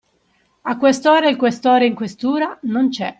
A quest'ora il questore in questura non c'è!